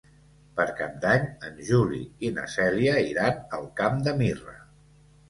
Per Cap d'Any en Juli i na Cèlia iran al Camp de Mirra.